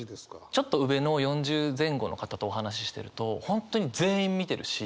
ちょっと上の４０前後の方とお話ししてると本当に全員見てるし。